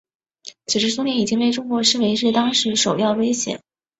此时苏联已经被中国视为是当时首要威胁。